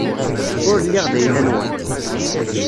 Ur lliɣ d ayla-nwen.